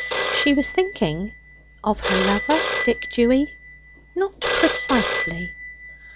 She was thinking of her lover Dick Dewy? Not precisely.